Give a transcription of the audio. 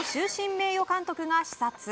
名誉監督が視察。